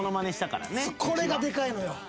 これがでかいのよ。